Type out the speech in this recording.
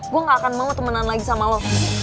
gue gak akan mau temenan lagi sama lo